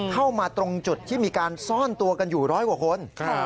เข้ามาตรงจุดที่มีการซ่อนตัวกันอยู่ร้อยกว่าคน